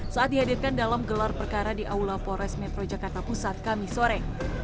saat dihadirkan dalam gelar perkara di aula polres metro jakarta pusat kami sore